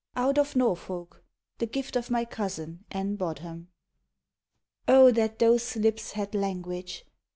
OUT OF NORFOLK, THK GIFT OF M 1" COUSIN, ANN noun am. O that those lips had language!